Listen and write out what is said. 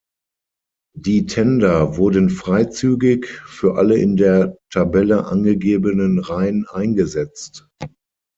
Die Tender wurden freizügig für alle in der Tabelle angegebenen Reihen eingesetzt.